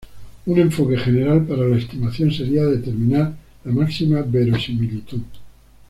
Un enfoque general para la estimación sería determinar la máxima verosimilitud.